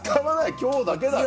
今日だけだろ！